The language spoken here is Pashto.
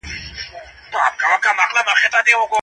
د ابن خلدون ټولنیز نظریات د معاصر علم سره پرتله کيږي.